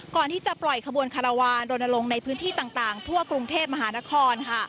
ก่อนที่จะปล่อยขบวนคารวาลรณลงในพื้นที่ต่างทั่วกรุงเทพมหานคร